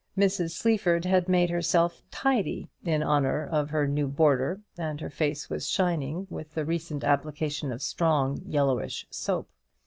Mrs. Sleaford had made herself "tidy" in honour of her new boarder, and her face was shining with the recent application of strong yellow soap.